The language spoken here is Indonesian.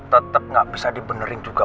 tetep gak bisa dibenerin juga